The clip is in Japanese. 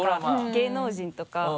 芸能人とか。